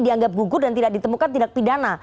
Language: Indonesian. dianggap gugur dan tidak ditemukan tindak pidana